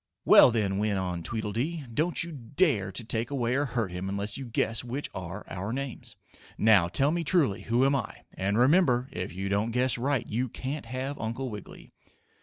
"Well, then," went on Tweedledee, "don't you dare to take away or hurt him unless you guess which are our names. Now tell me truly who am I? And, remember, if you don't guess right, you can't have Uncle Wiggily!"